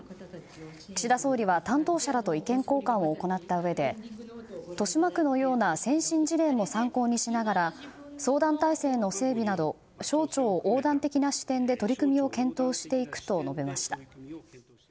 岸田総理は担当者らと意見交換を行ったうえで豊島区のような先進事例も参考にしながら相談体制の整備など省庁横断的な視点で取り組みを検討していくと述べました。